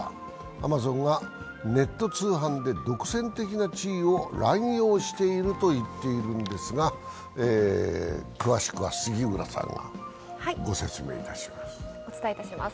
アマゾンがネット通販で独占的な地位を乱用していると言っているんですが、詳しくは杉浦さんがご説明いたします。